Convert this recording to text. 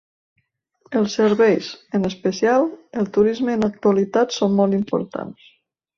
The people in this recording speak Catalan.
Els serveis, en especial, el turisme en l'actualitat són molt importants.